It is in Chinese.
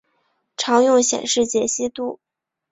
常用显示解析度